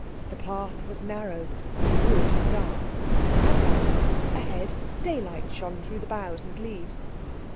The path was narrow and the wood dark. At last, ahead, daylight shone through the boughs and leaves.